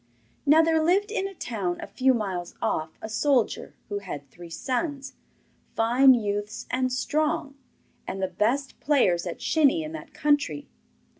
Now there lived in a town a few miles off a soldier who had three sons, fine youths and strong, and the best players at shinny in that country.